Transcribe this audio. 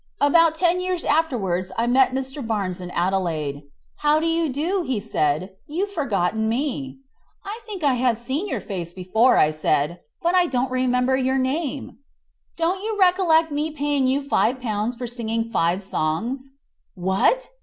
About ten years afterwards, I met Mr. Barnes in Adelaide. "How do you do?" said he; "you've forgot me." "I think I have seen your face before," said I; "but I don't remember your name." "Don't you recollect me paying you five pounds for singing five songs." "What!